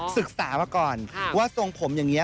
ศึกษามาก่อนว่าทรงผมอย่างนี้